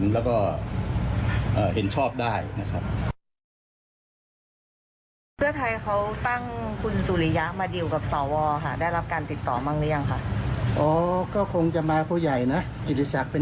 ถ้าคือโหวตรอบนี้หากเก้าไกรไม่อยู่ใน๘พักร่วมแล้ว